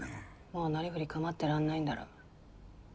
もうなりふり構ってらんないんだろ。